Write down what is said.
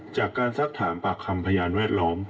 จากการสักถามปากคำพยานแวดล้อม